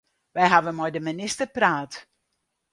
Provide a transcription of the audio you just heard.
Wy hawwe mei de minister praat.